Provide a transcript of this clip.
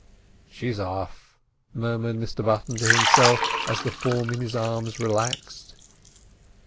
"She's off," murmured Mr Button to himself, as the form in his arms relaxed.